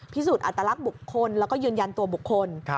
สูจนอัตลักษณ์บุคคลแล้วก็ยืนยันตัวบุคคล